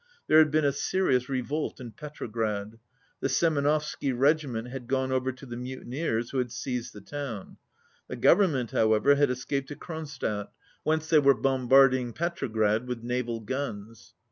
There had been a serious revolt in Petro grad. The Semenovsky regiment had gone over to the mutineers, who had seized the town. The Government, however, had escaped to Kronstadt, 2 whence they were bombarding Petrograd with naval guns.